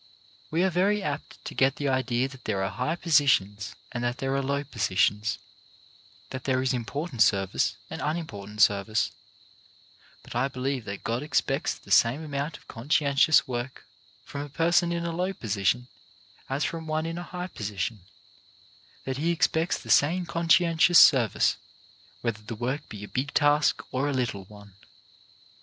217 218 CHARACTER BUILDING We are very apt to get the idea that there are high positions and that there are low positions, that there is important service and unimportant service ; but I believe that God expects the same amount of conscientious work from a person in a low position as from one in a high position, that He expects the same conscientious service whether the work be a big task or a little one.